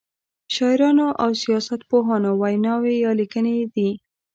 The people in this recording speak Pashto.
شاعرانو او سیاست پوهانو ویناوی یا لیکنې دي.